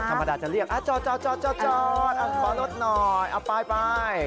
ธรรมดาจะเรียกจอดขอรถหน่อยเอาไป